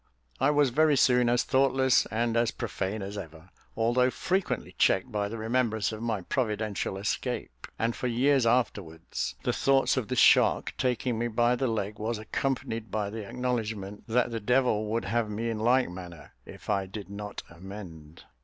I was very soon as thoughtless and as profane as ever, although frequently checked by the remembrance of my providential escape; and for years afterwards the thoughts of the shark taking me by the leg was accompanied by the acknowledgment that the devil would have me in like manner, if I did not amend.